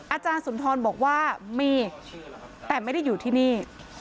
อาจารย์สุนทรบอกว่ามีแต่ไม่ได้อยู่ที่นี่